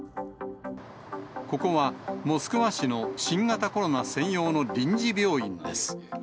ここは、モスクワ市の新型コロナ専用の臨時病院です。